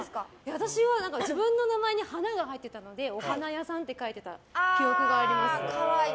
私は自分の名前に花が入っていたのでお花屋さんって書いていた可愛い。